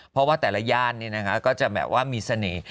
เพราะว่าแต่ละย่านก็จะแบบว่ามีเสน่ห์